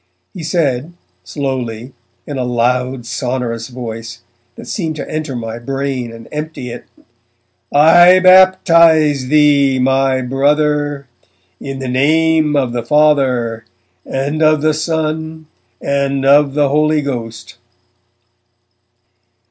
He said, slowly, in a loud, sonorous voice that seemed to enter my brain and empty it, 'I baptize thee, my Brother, in the name of the Father and of the Son and of the Holy Ghost!'